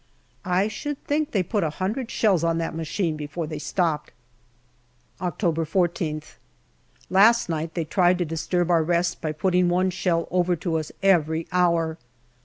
I should think they put a hundred shells on that machine before they stopped. October 14>th. Last night they tried to disturb our rest by putting one shell over to us every hour.